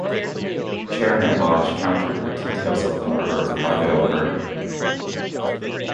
Chairman Lodge countered with details of the murder of Private O'Herne.